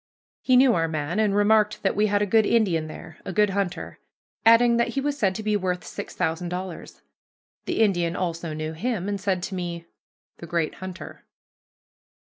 He knew our man, and remarked that we had a good Indian there, a good hunter; adding that he was said to be worth six thousand dollars. The Indian also knew him, and said to me, "The great hunter."